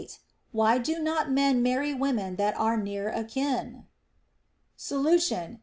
Why do not men marry women that are near akin I Solution.